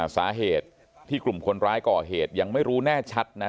สาเหตุที่กลุ่มคนร้ายก่อเหตุยังไม่รู้แน่ชัดนะ